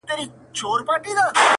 • اوس سره جار وتو رباب سومه نغمه یمه..